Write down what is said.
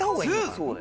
そうだよ。